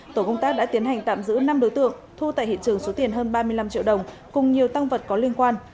tổ công tác đã tiến hành tạm giữ năm đối tượng thu tại hiện trường số tiền hơn ba mươi năm triệu đồng cùng nhiều tăng vật có liên quan